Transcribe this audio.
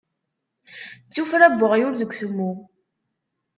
D tuffra n uɣyul deg utemmu.